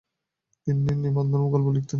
তিনি নিবন্ধ ও গল্প লিখতে থাকেন।